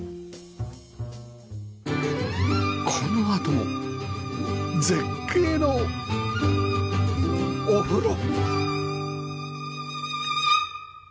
このあとも絶景のお風呂！